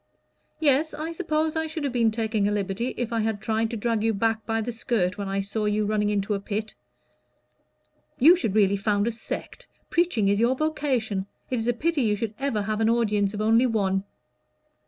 "Yes, I suppose I should have been taking a liberty if I had tried to drag you back by the skirt when I saw you running into a pit." "You should really found a sect. Preaching is your vocation. It is a pity you should ever have an audience of only one."